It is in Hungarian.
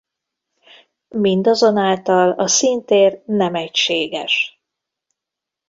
Mindazonáltal a színtér nem egységes.